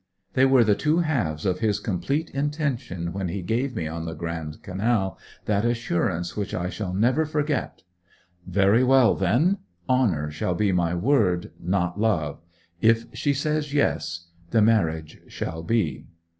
They were the two halves of his complete intention when he gave me on the Grand Canal that assurance which I shall never forget: 'Very well, then; honour shall be my word, not love. If she says "Yes," the marriage shall be.'